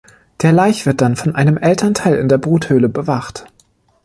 Der Laich wird dann von einem Elternteil in der Bruthöhle bewacht.